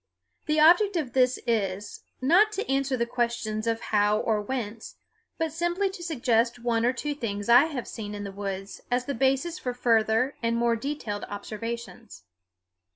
The object of this is, not to answer the questions of how or whence, but simply to suggest one or two things I have seen in the woods as the basis for further and more detailed observations.